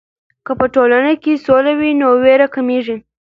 که په ټولنه کې سوله وي، نو ویر کمېږي.